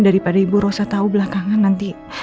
daripada ibu rosa tahu belakangan nanti